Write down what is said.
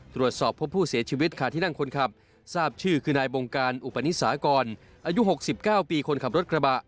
ตรวจสอบพบผู้เสียชีวิตค่ะที่นั่งคนขับทราบชื่อคือนายบงการอุปนิสากรอายุ๖๙ปีคนขับรถกระบะ